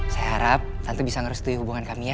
saya harap tante bisa ngeresetui hubungan kami ya